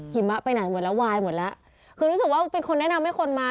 มะไปไหนหมดแล้ววายหมดแล้วคือรู้สึกว่าเป็นคนแนะนำให้คนมา